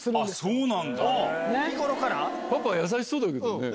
パパ優しそうだけどね。